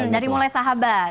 dari mulai sahabat